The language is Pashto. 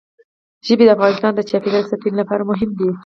ژبې د افغانستان د چاپیریال ساتنې لپاره مهم دي.